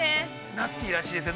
◆ナッティーらしいですよ。